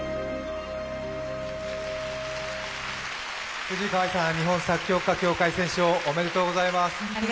藤井香愛さん、日本作曲家協会選奨おめでとうございます。